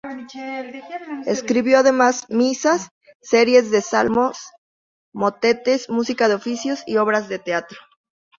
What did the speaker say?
Escribió además Misas, series de salmos, motetes, música de Oficios y obras de teatro.